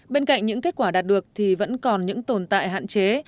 bên cạnh những kết quả đạt được thì vẫn còn những tồn tại hạn chế